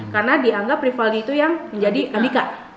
karena dianggap rivaldi itu yang menjadi andika